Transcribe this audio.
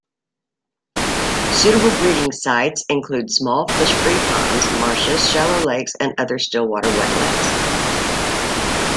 Suitable breeding sites include small fish-free ponds, marshes, shallow lakes and other still-water wetlands.